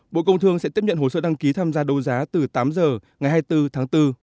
bộ công thương sẽ tiếp nhận hồ sơ đăng ký tham gia đấu giá từ tám giờ ngày hai mươi bốn tháng bốn